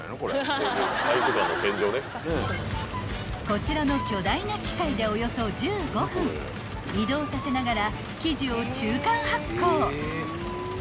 ［こちらの巨大な機械でおよそ１５分移動させながら生地を中間発酵］